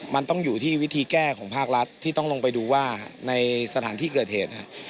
มันต้องอยู่ที่วิธีแก้ของภาครัฐที่ต้องลงไปดูว่าในสถานที่เกิดเหตุ